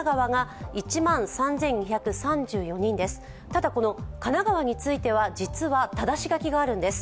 ただ、神奈川については、実はただし書きがあるんです。